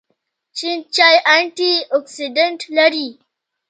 شین چای انټي اکسیډنټ لري